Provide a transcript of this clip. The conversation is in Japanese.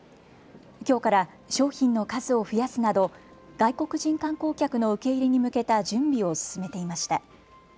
きょうから商品の数を増やすなど外国人観光客の受け入れに向けた準備を進めていました。